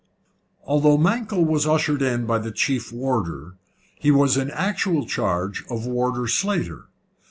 Although Mankell was ushered in by the chief warder, he was in actual charge of Warder Slater.